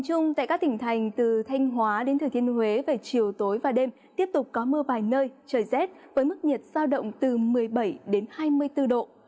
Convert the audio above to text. trong các tỉnh thành từ thanh hóa đến thừa thiên huế về chiều tối và đêm tiếp tục có mưa vài nơi trời rét với mức nhiệt sao động từ một mươi bảy đến hai mươi bốn độ